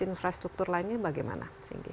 infrastruktur lainnya bagaimana singgi